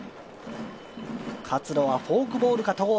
活路はフォークボールか、戸郷